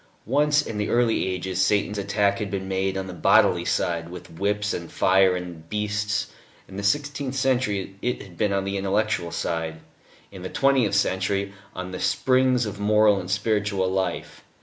Once, in the early ages, Satan's attack had been made on the bodily side, with whips and fire and beasts; in the sixteenth century it had been on the intellectual side; in the twentieth century on the springs of moral and spiritual life.